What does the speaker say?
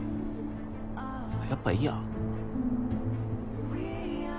やっぱいいや。